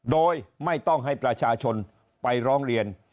โดยไม่ต้องให้ประชาชนไปร้องเรียน